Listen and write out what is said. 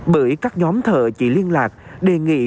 bởi các nhóm thợ chị liên lạc đề nghị